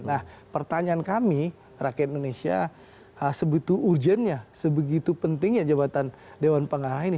nah pertanyaan kami rakyat indonesia sebetulnya urgennya sebegitu pentingnya jabatan dewan pengarah ini